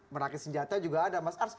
merakit senjata juga ada mas ars